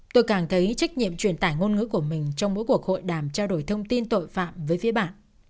tôi càng thấy trách nhiệm truyền tải ngôn ngữ của mình trong mỗi cuộc hội đàm trao đổi thông tin tội phạm với phía bạn